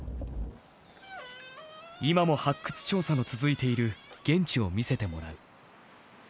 今も発掘調査の続いている現地を見せてもらう。